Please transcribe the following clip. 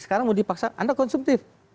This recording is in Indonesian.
sekarang mau dipaksa anda konsumtif